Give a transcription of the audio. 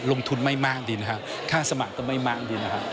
ลงทุนไม่มากดีนะครับค่าสมัครก็ไม่มากดีนะครับ